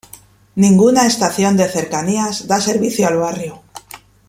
Ninguna estación de Cercanías da servicio al barrio.